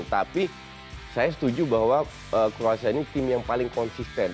tapi saya setuju bahwa kroasia ini tim yang paling konsisten